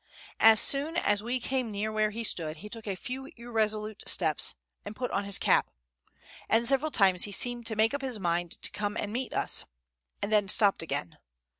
As soon as we came near where he stood, he took a few irresolute steps, and put on his cap; and several times he seemed to make up his mind to come to meet us, and then stopped again.